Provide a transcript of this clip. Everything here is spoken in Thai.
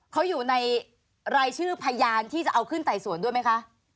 เขาอยู่ในรายชื่อพยานที่จะเอาขึ้นไต่สวนด้วยไหมคะ